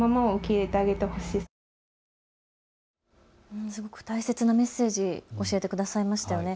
ものすごく大切なメッセージ、教えてくださいましたよね。